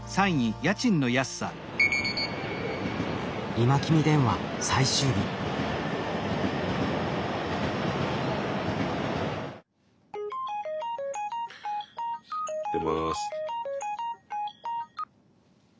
「今君電話」最終日。出ます。